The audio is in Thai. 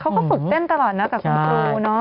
เขาก็ฝึกเต้มตลอดนะคุณครู